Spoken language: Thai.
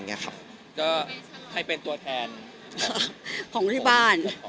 ก็ให้เป็นตัวแทนของที่บ้าน